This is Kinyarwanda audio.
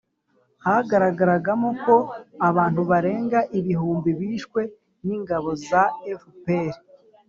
hagaragaragamo ko abantu barenga ibihumbi bishwe n'ingabo za fpr